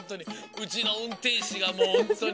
うちのうんてんしがもうほんとに。